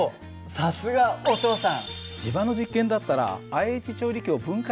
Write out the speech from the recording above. さすがお父さん！